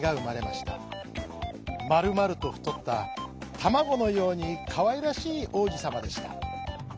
まるまるとふとったたまごのようにかわいらしいおうじさまでした。